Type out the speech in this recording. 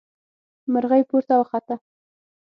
مرغۍ پورته وخته.